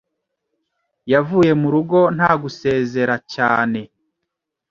Yavuye mu rugo nta gusezera cyane.